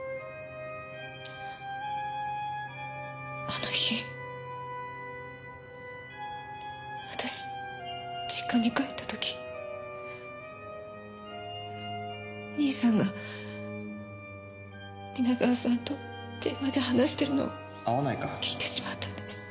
あの日私実家に帰った時兄さんが皆川さんと電話で話してるのを聞いてしまったんです。